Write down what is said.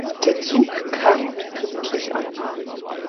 Der Zug kam pünktlich an.